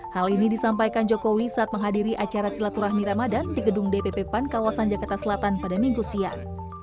hal ini disampaikan jokowi saat menghadiri acara silaturahmi ramadan di gedung dpp pan kawasan jakarta selatan pada minggu siang